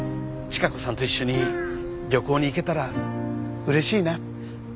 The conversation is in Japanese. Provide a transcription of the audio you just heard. チカ子さんと一緒に旅行に行けたら嬉しいな。